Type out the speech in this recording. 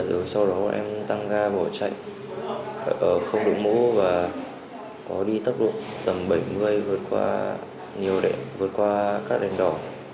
rồi sau đó em tăng ga bỏ chạy ở không đội mũ và có đi tốc độ tầm bảy mươi vượt qua nhiều đệm vượt qua các đền đỏ